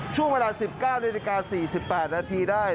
ช่วงประมาณ๑๙น๔๘นได้